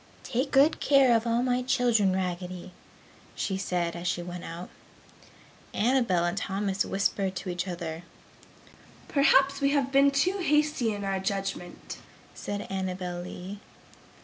"Take good care of all my children, Raggedy!" she said as she went out. Annabel and Thomas whispered together, "Perhaps we have been too hasty in our judgment!" said Annabel Lee.